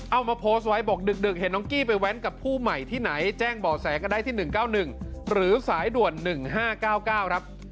เอามาโพสต์ไว้บอกดึกเห็นน้องกี้ไปแว้นกับผู้ใหม่ที่ไหนแจ้งบ่อแสก็ได้ที่๑๙๑หรือสายด่วน๑๕๙๙ครับ